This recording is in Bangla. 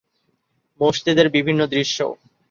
মসজিদের বিভিন্ন দৃশ্য